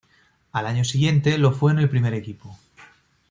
Al año siguiente lo fue en el primer equipo.